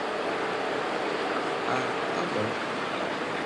Ah, tá bom